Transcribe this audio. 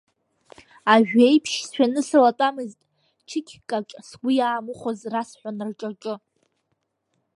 Ажьеиԥш сшәаны сылатәамызт чықькаҿ, сгәы иаамыхәоз расҳәон рҿаҿы.